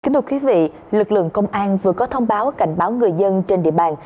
kính thưa quý vị lực lượng công an vừa có thông báo cảnh báo người dân trên địa bàn